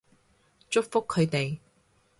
祝福佢哋